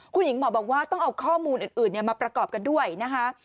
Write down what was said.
คุณหญิงหมอบอกว่าต้องเอาข้อมูลอื่นมาประกอบกันด้วยนะคะ